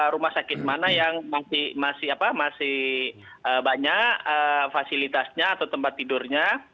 rumah sakit mana yang masih banyak fasilitasnya atau tempat tidurnya